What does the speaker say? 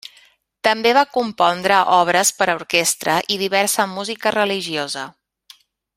També va compondre obres per a orquestra i diversa música religiosa.